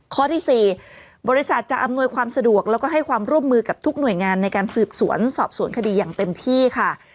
ข้อที่๔บริษัทจะอำนวยความสะดวกแล้วก็ให้ความร่วมมือกับทุกหน่วยงานในการสืบสวนสอบสวนคดีอย่างเต็มที่ค่ะ